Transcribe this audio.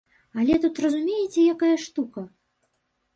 Але тут разумееце якая штука?